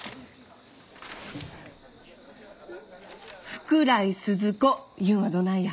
福来スズ子いうんはどないや？